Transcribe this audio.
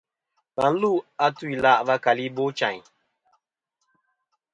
Và lu a tu-ila' va keli Ibochayn.